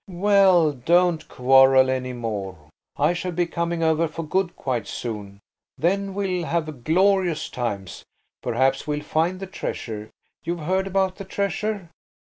"Well, don't quarrel any more. I shall be coming over for good quite soon, then we'll have glorious times. Perhaps we'll find the treasure. You've heard about the treasure?"